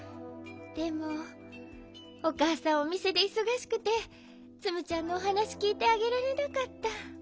でもおかあさんおみせでいそがしくてツムちゃんのおはなしきいてあげられなかった。